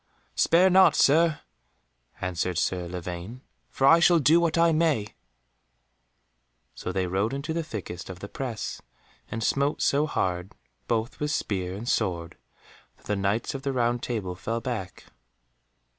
"Spare not, Sir," answered Sir Lavaine, "for I shall do what I may." So they rode into the thickest of the press, and smote so hard both with spear and sword that the Knights of the Round Table fell back.